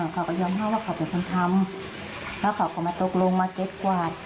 เขาก็ยอมให้ว่าเขาเป็นคนทำแล้วเขาก็มาตกลงมาเก็บกวาด